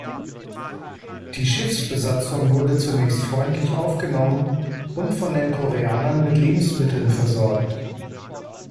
Die Schiffsbesatzung wurde zunächst freundlich aufgenommen und von den Koreanern mit Lebensmitteln versorgt.